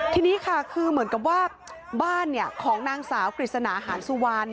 ทีนี้ค่ะคือเหมือนกับว่าบ้านของนางสาวกฤษณาหานสุวรรณ